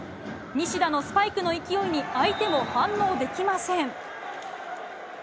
西田のスパイクの勢いに相手も反応できません。